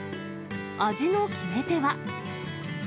味の決め手は。